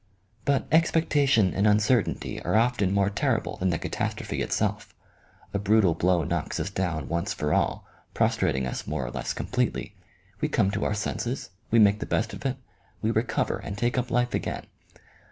But expectation and uncertainty are often more terrible than the catastrophe itself. A brutal blow knocks us down once for all, prostrating us more or less completely. We come to our senses, we make the best of it, we recover, and take up life again.